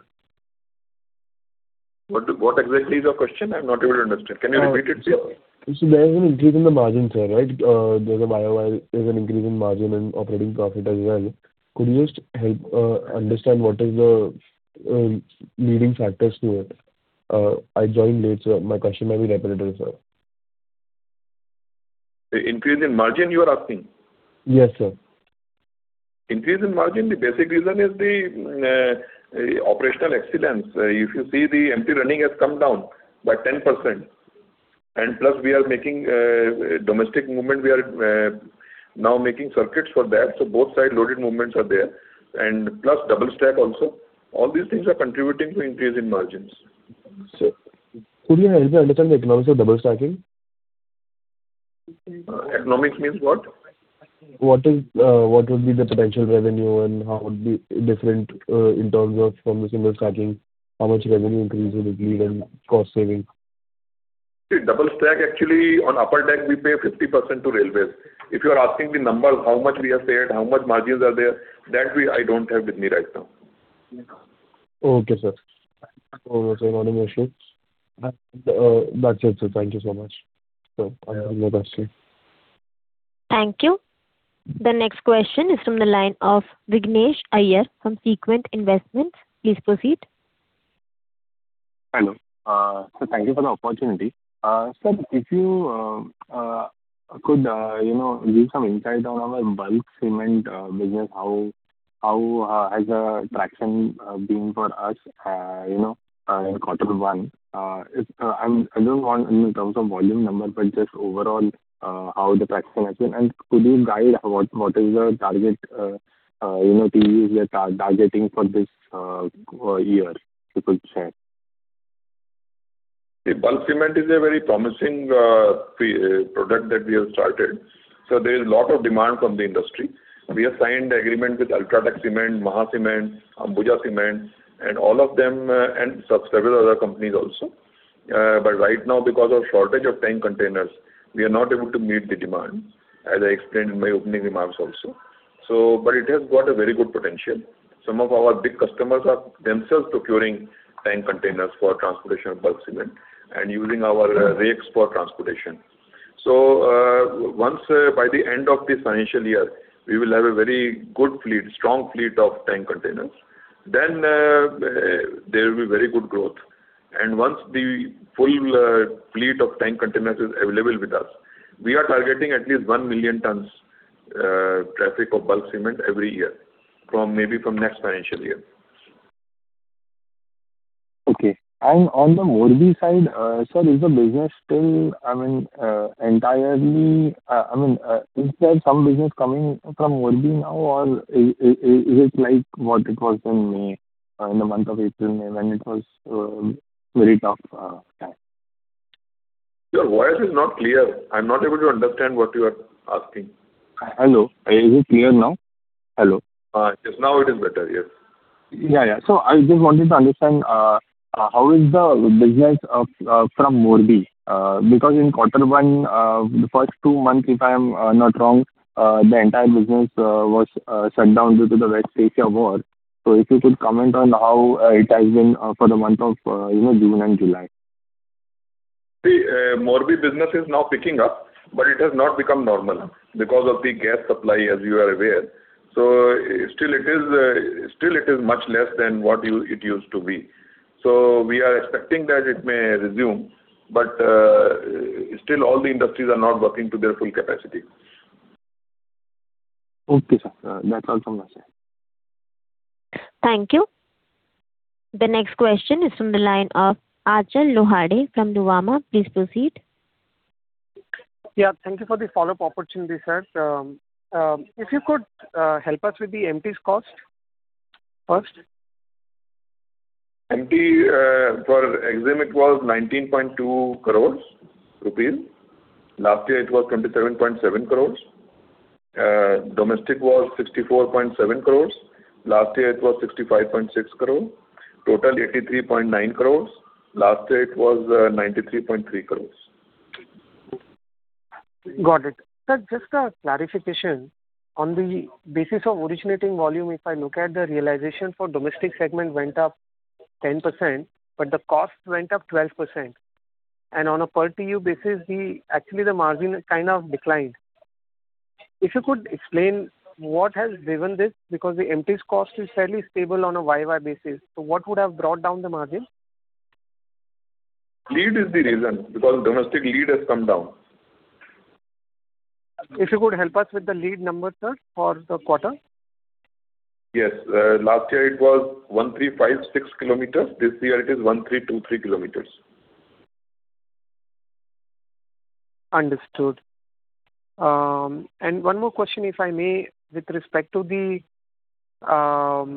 What exactly is your question? I'm not able to understand. Can you repeat it, sir? There is an increase in the margin, sir, right? There's a YOY, there's an increase in margin and operating profit as well. Could you just help understand what is the leading factors to it? I joined late, sir. My question may be repetitive, sir. The increase in margin you are asking? Yes, sir. Increase in margin, the basic reason is the operational excellence. If you see, the empty running has come down by 10%. Plus, we are making domestic movement. We are now making circuits for that, so both sides loaded movements are there. Plus double stack also. All these things are contributing to increase in margins. Sir, could you help me understand the economics of double stacking? Economics means what? What would be the potential revenue and how would be different in terms of from the single-stacking, how much revenue increase will it lead and cost saving? See, double-stack actually on upper deck, we pay 50% to Indian Railways. If you are asking the numbers, how much we have paid, how much margins are there, that I don't have with me right now. Okay, sir. No more issues. That's it, sir. Thank you so much. Sir, I have no question. Thank you. The next question is from the line of Vignesh Iyer from Sequent Investments. Please proceed. Hello. Sir, thank you for the opportunity. Sir, if you could give some insight on our bulk cement business, how has the traction been for us in quarter one? I do not want in terms of volume number, but just overall how the traction has been. Could you guide what is the target you are targeting for this year, if you could share. Bulk cement is a very promising product that we have started. There is a lot of demand from the industry. We have signed the agreement with UltraTech Cement, Maha Cement, Ambuja Cements, and several other companies also. Right now, because of shortage of tank containers, we are not able to meet the demand, as I explained in my opening remarks also. It has got a very good potential. Some of our big customers are themselves procuring tank containers for transportation of bulk cement and using our rakes for transportation. By the end of this financial year, we will have a very good fleet, strong fleet of tank containers. There will be very good growth. Once the full fleet of tank containers is available with us, we are targeting at least 1 million tons traffic of bulk cement every year, maybe from next financial year. Okay. On the Morbi side, sir, is there some business coming from Morbi now, or is it like what it was in the month of April, May, when it was very tough time? Your voice is not clear. I am not able to understand what you are asking. Hello. Is it clear now? Hello. Yes. Now it is better. Yes. Yeah. I just wanted to understand how is the business from Morbi. Because in quarter one, the first two months, if I am not wrong, the entire business was shut down due to the West Asia war. If you could comment on how it has been for the month of June and July. See, Morbi business is now picking up, it has not become normal because of the gas supply, as you are aware. Still it is much less than what it used to be. We are expecting that it may resume. Still all the industries are not working to their full capacity. Okay, sir. That's all from my side. Thank you. The next question is from the line of Achal Lohade from Nuvama. Please proceed. Yeah. Thank you for the follow-up opportunity, sir. If you could help us with the empties cost first. Empty for EXIM it was 19.2 crores rupees. Last year it was 27.7 crores. Domestic was 64.7 crores. Last year it was 65.6 crore. Total 83.9 crores. Last year it was 93.3 crores. Got it. Sir, just a clarification. On the basis of originating volume, if I look at the realization for domestic segment went up 10%, but the cost went up 12%. On a per TU basis, actually the margin kind of declined. If you could explain what has driven this, because the empties cost is fairly stable on a YOY basis. What would have brought down the margin? Lead is the reason because domestic lead has come down. If you could help us with the lead number, sir, for the quarter. Yes. Last year it was 1,356 km. This year it is 1,323 km. Understood. One more question, if I may, with respect to the, of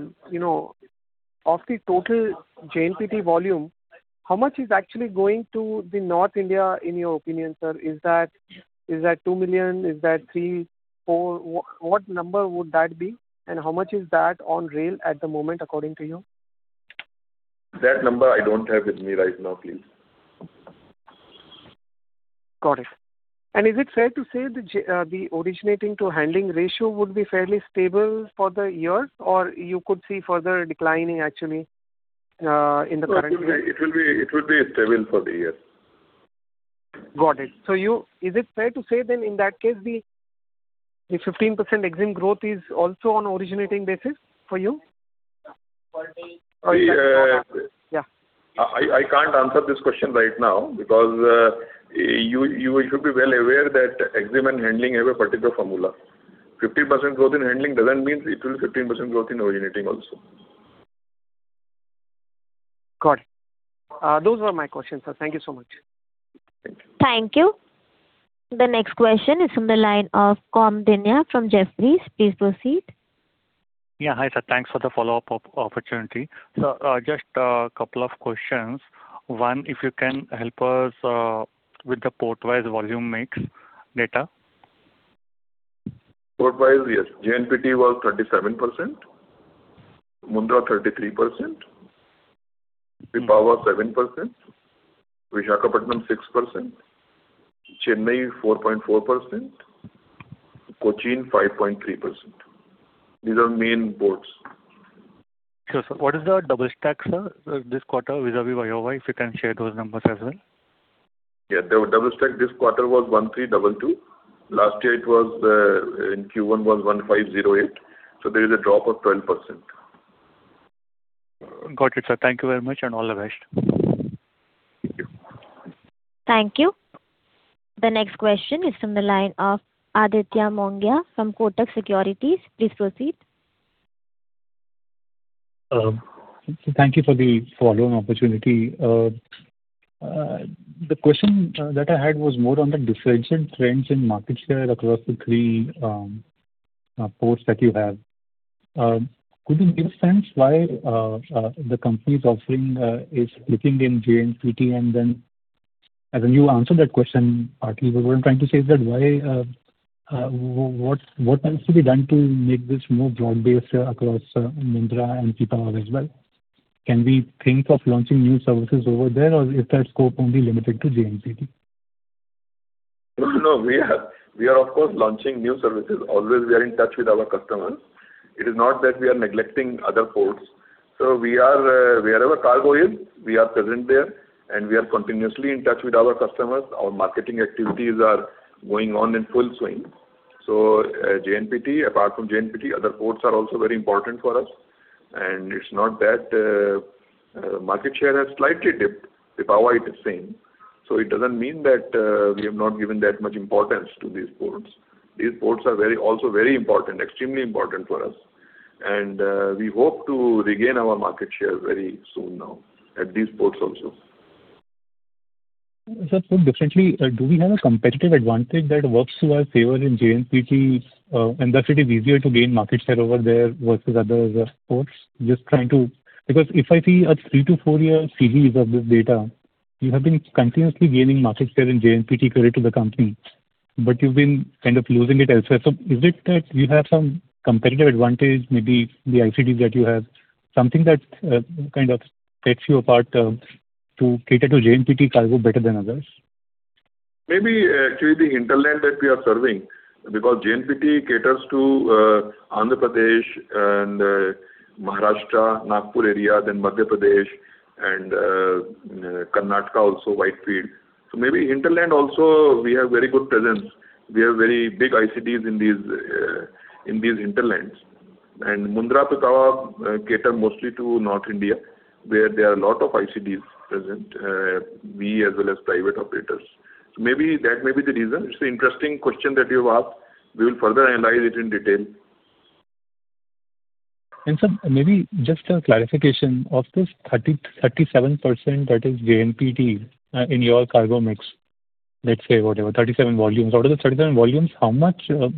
the total JNPT volume, how much is actually going to North India in your opinion, sir? Is that 2 million? Is that three, four? What number would that be? How much is that on rail at the moment according to you? That number I don't have with me right now, please. Got it. Is it fair to say the originating to handling ratio would be fairly stable for the year, or you could see further declining actually? It will be stable for the year. Got it. Is it fair to say in that case the 15% EXIM growth is also on originating basis for you? I- Yeah. I can't answer this question right now because you should be well aware that EXIM and handling have a particular formula. 15% growth in handling doesn't mean it will 15% growth in originating also. Got it. Those were my questions, sir. Thank you so much. Thank you. Thank you. The next question is from the line of Koundinya from Jefferies. Please proceed. Yeah. Hi, sir. Thanks for the follow-up opportunity. Sir, just a couple of questions. One, if you can help us with the port-wise volume mix data. Portwise, yes. JNPT was 37%, Mundra 33%, Pipavav 7%, Visakhapatnam 6%, Chennai 4.4%, Kochi 5.3%. These are main ports. Sure, sir. What is the double-stack, sir, this quarter vis-a-vis YOY, if you can share those numbers as well? The double-stack this quarter was 1,322. Last year in Q1 was 1,508. There is a drop of 12%. Got it, sir. Thank you very much, and all the best. Thank you. Thank you. The next question is from the line of Aditya Mongia from Kotak Securities. Please proceed. Thank you for the follow-up opportunity. The question that I had was more on the differential trends in market share across the three ports that you have. Could you give a sense why the company's offering is clicking in JNPT? As you answered that question partly, what I'm trying to say is that what needs to be done to make this more broad-based across Mundra and Pipavav as well? Can we think of launching new services over there, is that scope only limited to JNPT? No. We are, of course, launching new services. Always we are in touch with our customers. It is not that we are neglecting other ports. Wherever cargo is, we are present there, and we are continuously in touch with our customers. Our marketing activities are going on in full swing. Apart from JNPT, other ports are also very important for us. It's not that market share has slightly dipped. Pipavav, it is same. It doesn't mean that we have not given that much importance to these ports. These ports are also very important, extremely important for us. We hope to regain our market share very soon now at these ports also. Sir, put differently, do we have a competitive advantage that works to our favor in JNPT, and thus it is easier to gain market share over there versus other ports? If I see a three-to-four-year series of this data, you have been continuously gaining market share in JNPT, credit to the company, but you've been kind of losing it elsewhere. Is it that you have some competitive advantage, maybe the ICDs that you have, something that kind of sets you apart to cater to JNPT cargo better than others? Actually the hinterland that we are serving, because JNPT caters to Andhra Pradesh and Maharashtra, Nagpur area, Madhya Pradesh and Karnataka also, Whitefield. Maybe hinterland also, we have very good presence. We have very big ICDs in these hinterlands. Mundra, Pipavav cater mostly to North India, where there are a lot of ICDs present, we as well as private operators. Maybe that may be the reason. It's an interesting question that you've asked. We will further analyze it in detail. Sir, maybe just a clarification. Of this 37% that is JNPT in your cargo mix, let's say whatever, 37 volumes. Out of the 37 volumes, how much go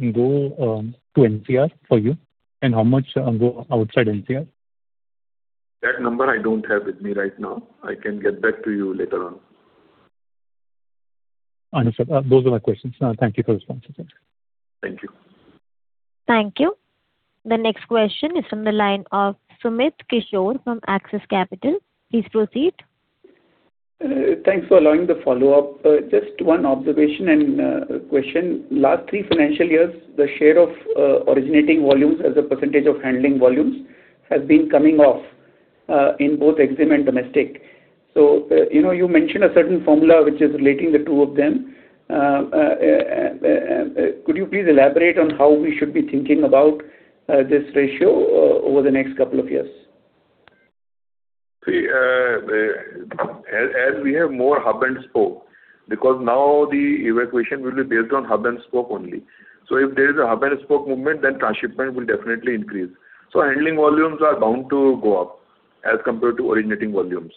to NCR for you, and how much go outside NCR? That number I don't have with me right now. I can get back to you later on. Sir, those were my questions. Thank you for the responses. Thank you. Thank you. The next question is from the line of Sumit Kishore from Axis Capital. Please proceed. Thanks for allowing the follow-up. Just one observation and question. Last three financial years, the share of originating volumes as a percentage of handling volumes has been coming off in both EXIM and domestic. You mentioned a certain formula which is relating the two of them. Could you please elaborate on how we should be thinking about this ratio over the next couple of years? We have more hub-and-spoke, because now the evacuation will be based on hub-and-spoke only. If there is a hub-and-spoke movement, transshipment will definitely increase. Handling volumes are bound to go up as compared to originating volumes.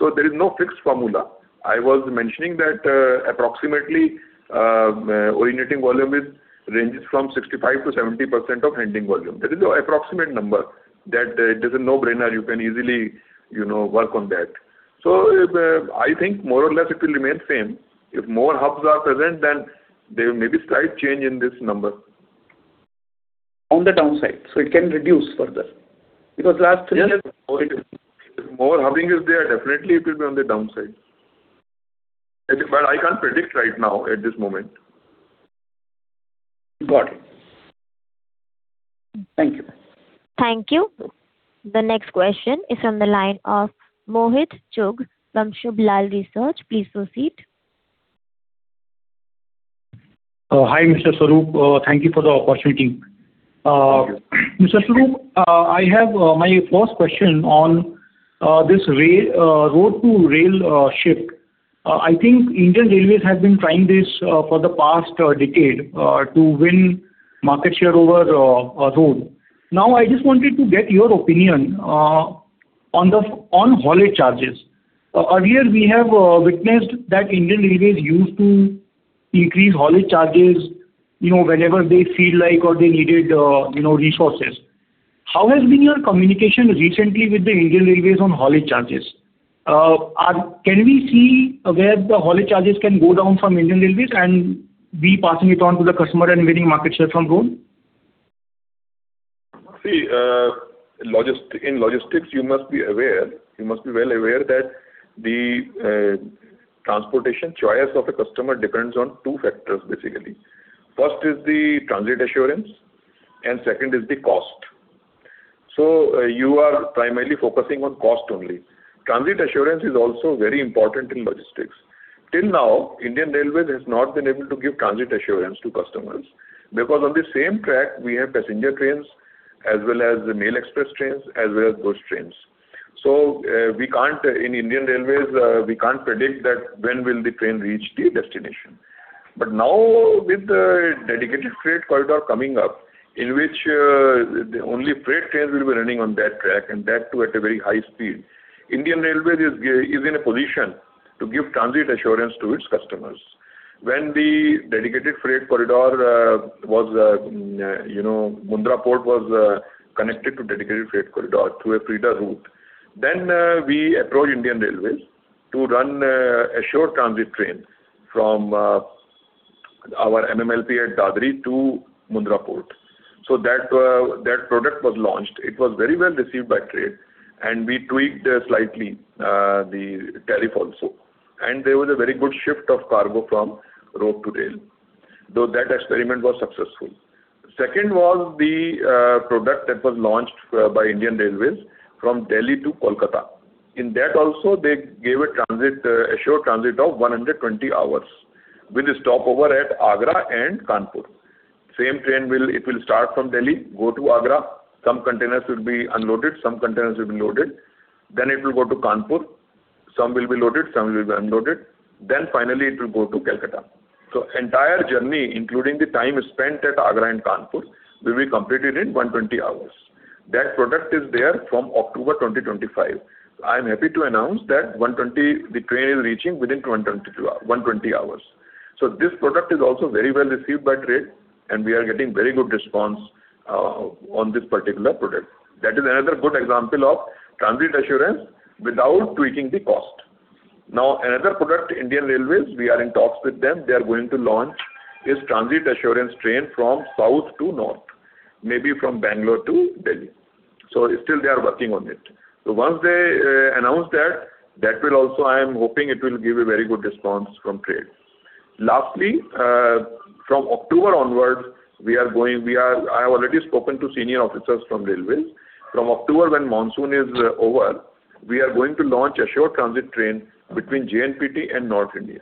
There is no fixed formula. I was mentioning that approximately originating volume ranges from 65% to 70% of handling volume. That is the approximate number that it is a no-brainer, you can easily work on that. I think more or less it will remain same. If more hubs are present, there may be slight change in this number. On the downside. It can reduce further. Because last three years- Yes. If more hubbing is there, definitely it will be on the downside. I can't predict right now at this moment. Got it. Thank you. Thank you. The next question is from the line of Mohit Chugh from Subh Labh Research. Please proceed. Hi, Mr. Swarup. Thank you for the opportunity. Thank you. Mr. Swarup, my first question on this road to rail shift. I think Indian Railways has been trying this for the past decade, to win market share over road. I just wanted to get your opinion on haulage charges. Earlier, we have witnessed that Indian Railways used to increase haulage charges whenever they feel like or they needed resources. How has been your communication recently with the Indian Railways on haulage charges? Can we see where the haulage charges can go down from Indian Railways and be passing it on to the customer and winning market share from road? In logistics, you must be well aware that the transportation choice of a customer depends on two factors, basically. First is the transit assurance, and second is the cost. You are primarily focusing on cost only. Transit assurance is also very important in logistics. Till now, Indian Railways has not been able to give transit assurance to customers because on the same track, we have passenger trains, as well as the mail express trains, as well as goods trains. In Indian Railways, we can't predict when the train will reach the destination. Now, with the Dedicated Freight Corridor coming up, in which only freight trains will be running on that track, and that too, at a very high speed, Indian Railways is in a position to give transit assurance to its customers. When the Mundra Port was connected to Dedicated Freight Corridor through a freight route, we approached Indian Railways to run assured transit train from our MMLP at Dadri to Mundra Port. That product was launched. It was very well received by trade, and we tweaked slightly the tariff also. There was a very good shift of cargo from road to rail, though that experiment was successful. Second was the product that was launched by Indian Railways from Delhi to Kolkata. In that also, they gave an assured transit of 120 hours, with a stopover at Agra and Kanpur. The same train will start from Delhi, go to Agra. Some containers will be unloaded, some containers will be loaded. It will go to Kanpur. Some will be loaded, some will be unloaded. Finally it will go to Kolkata. Entire journey, including the time spent at Agra and Kanpur, will be completed in 120 hours. That product is there from October 2025. I am happy to announce that the train is reaching within 120 hours. This product is also very well received by trade, and we are getting very good response on this particular product. That is another good example of transit assurance without tweaking the cost. Another product, Indian Railways, we are in talks with them. They are going to launch this transit assurance train from south to north, maybe from Bangalore to Delhi. Still they are working on it. Once they announce that will also, I am hoping, it will give a very good response from trade. Lastly, from October onwards, I have already spoken to senior officers from Railways. From October, when monsoon is over, we are going to launch assured transit train between JNPT and North India,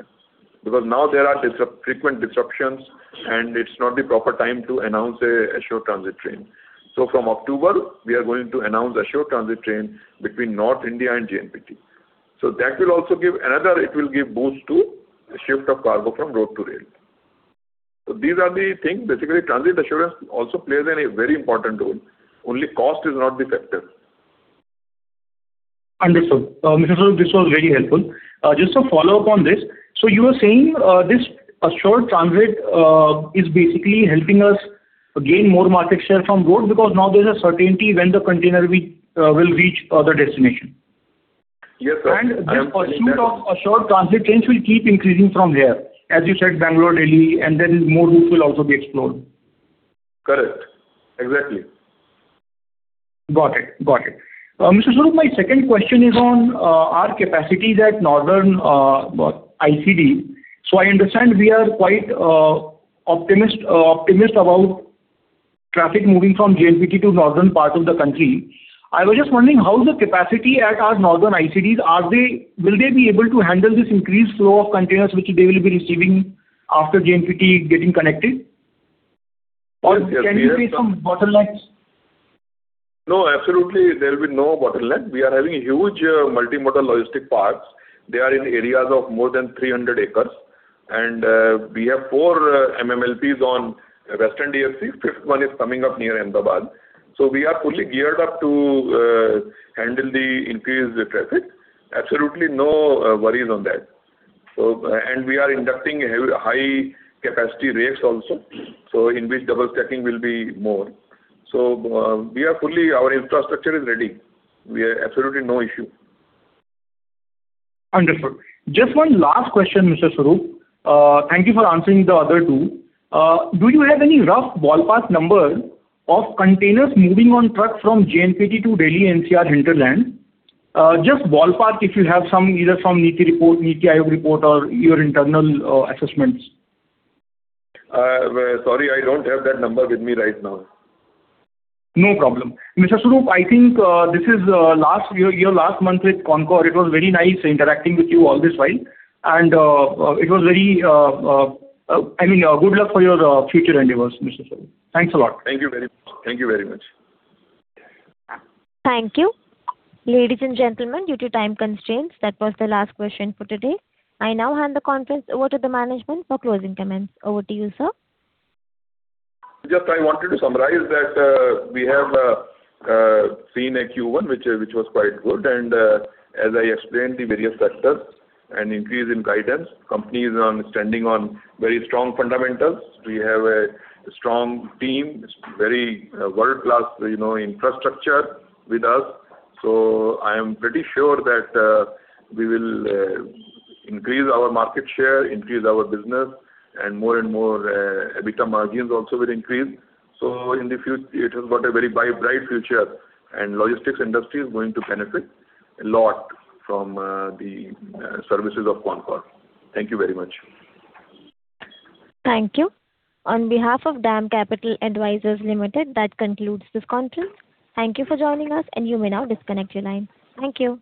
because now there are frequent disruptions, and it's not the proper time to announce an assured transit train. From October, we are going to announce assured transit train between North India and JNPT. That will also give another boost to shift of cargo from road to rail. These are the things. Basically, transit assurance also plays a very important role. Only cost is not the factor. Understood. Mr. Swarup, this was very helpful. Just a follow-up on this. You were saying, this assured transit is basically helping us gain more market share from road, because now there's a certainty when the container will reach other destination. Yes, sir. This pursuit of assured transit trains will keep increasing from here, as you said, Bangalore, Delhi, more routes will also be explored. Correct. Exactly. Got it. Mr. Swarup, my second question is on our capacities at northern ICD. I understand we are quite optimistic about traffic moving from JNPT to northern part of the country. I was just wondering, how's the capacity at our northern ICDs? Will they be able to handle this increased flow of containers which they will be receiving after JNPT getting connected? Or can we face some bottlenecks? No, absolutely, there will be no bottleneck. We are having huge Multi-Modal Logistics Parks. They are in areas of more than 300 acres. We have 4 MMLPs on Western DFC. Fifth one is coming up near Ahmedabad. We are fully geared up to handle the increased traffic. Absolutely no worries on that. We are inducting high capacity rails also, in which double-stacking will be more. Our infrastructure is ready. We have absolutely no issue. Wonderful. Just one last question, Mr. Swarup. Thank you for answering the other two. Do you have any rough ballpark numbers of containers moving on truck from JNPT to Delhi NCR hinterland? Just ballpark, if you have some, either from NITI Aayog report or your internal assessments. Sorry, I don't have that number with me right now. No problem. Mr. Swarup, I think this is your last month with CONCOR. It was very nice interacting with you all this while. Good luck for your future endeavors, Mr. Swarup. Thanks a lot. Thank you very much. Thank you. Ladies and gentlemen, due to time constraints, that was the last question for today. I now hand the conference over to the management for closing comments. Over to you, sir. Just I wanted to summarize that we have seen a Q1, which was quite good, and as I explained, the various sectors, an increase in guidance. Company is standing on very strong fundamentals. We have a strong team, very world-class infrastructure with us. I am pretty sure that we will increase our market share, increase our business, and more and more EBITDA margins also will increase. It has got a very bright future, and logistics industry is going to benefit a lot from the services of CONCOR. Thank you very much. Thank you. On behalf of DAM Capital Advisors Limited, that concludes this conference. Thank you for joining us, and you may now disconnect your line. Thank you.